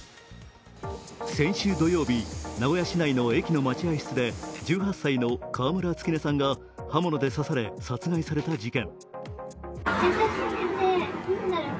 先週土曜日、名古屋市内の駅の待合室で１８歳の川村月音さんが刃物で刺され、殺害された事件。